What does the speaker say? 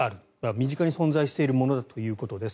身近に存在しているものだということです。